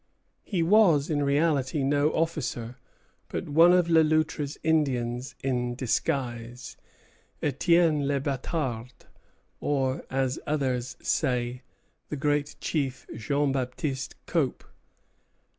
He was in reality no officer, but one of Le Loutre's Indians in disguise, Étienne Le Bâtard, or, as others say, the great chief, Jean Baptiste Cope.